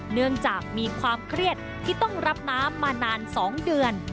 เนื่องจากมีความเครียดที่ต้องรับน้ำมานาน๒เดือน